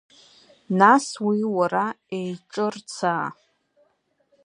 Нас уи уара еиҿырцаа.